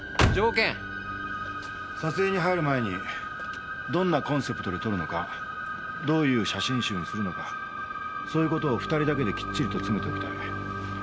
撮影に入る前にどんなコンセプトで撮るのかどういう写真集にするのかそういう事を２人だけできっちりと詰めておきたい。